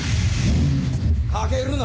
かけるな！